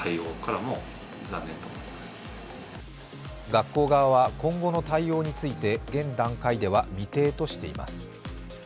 学校側は今後の対応について、現段階では未定としています。